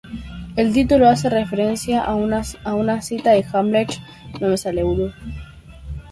El título hace referencia a una cita de "Hamlet," la obra de William Shakespeare.